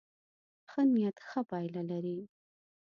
ښه نيت ښه پایله لري.